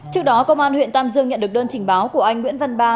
trước đó công an huyện tam dương nhận được đơn trình báo của anh nguyễn văn ba